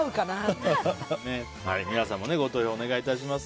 皆さんもご投票お願いします。